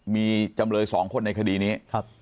มีจำเลย๒คนในคดีนี้